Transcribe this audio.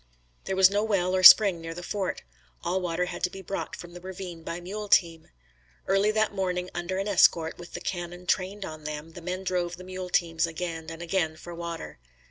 There was no well or spring near the fort. All water had to be brought from the ravine by mule team. Early that morning, under an escort, with the cannon trained on them, the men drove the mule teams again and again for water.